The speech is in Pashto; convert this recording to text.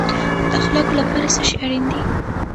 د اخلاقو لپاره څه شی اړین دی؟